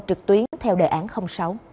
trực tuyến theo đề án sáu